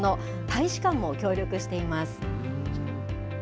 大使館も協力しています。